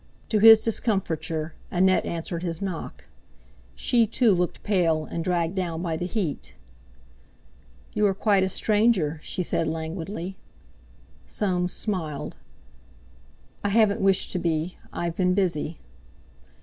To his discomfiture Annette answered his knock. She, too, looked pale and dragged down by the heat. "You are quite a stranger," she said languidly. Soames smiled. "I haven't wished to be; I've been busy."